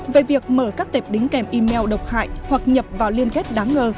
về việc mở các tệp đính kèm email độc hại hoặc nhập vào liên kết đáng ngờ